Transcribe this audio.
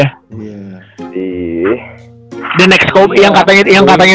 the next kobe yang katanya the next kobe itu kan